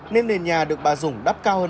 nên nền nhà được bà dũng đắp cao hơn